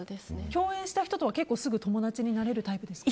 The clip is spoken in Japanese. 共演した人とは結構すぐ友達になれるタイプですか？